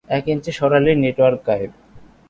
এক ইঞ্চি সরালেই নেটওয়ার্ক গায়েব।